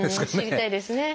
知りたいですね。